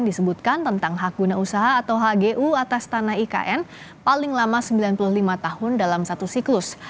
disebutkan tentang hak guna usaha atau hgu atas tanah ikn paling lama sembilan puluh lima tahun dalam satu siklus